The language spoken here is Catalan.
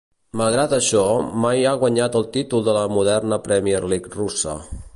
Malgrat això, mai ha guanyat el títol de la moderna Premier League russa.